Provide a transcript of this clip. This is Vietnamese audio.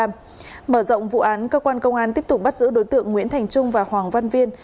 mở rộng vụ án cơ quan công an tiếp tục bắt giữ đối tượng nguyễn thành trung và hoàng văn viên